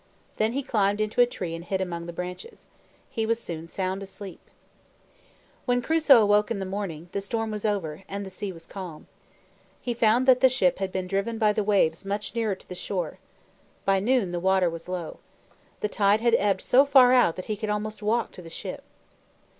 Then he climbed into a tree and hid among the branches. He was soon sound asleep. When Crusoe awoke in the morning, the storm was over, and the sea was calm. He found that the ship had been driven by the waves much nearer to the shore. By noon the water was low. The tide had ebbed so far out that he could walk almost to the ship.